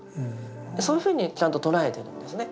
そういうふうにちゃんと捉えてるんですね。